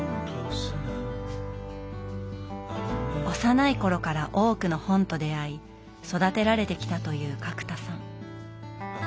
幼い頃から多くの本と出会い育てられてきたという角田さん。